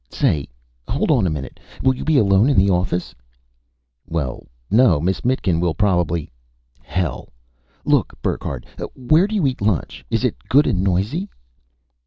Say, hold on a minute. Will you be alone in the office?" "Well, no. Miss Mitkin will probably " "Hell. Look, Burckhardt, where do you eat lunch? Is it good and noisy?"